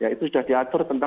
itu juga diatur